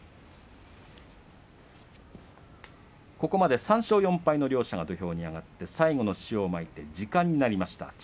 ここまで３勝４敗の両者が土俵に上がって時間になりました。